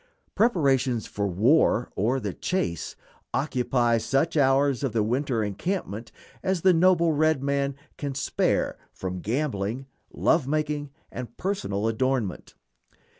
Preparations for war or the chase occupy such hours of the winter encampment as the noble red man can spare from gambling, love making, and personal adornment.